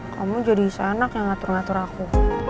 kamu jadi isa anak yang ngatur ngatur aku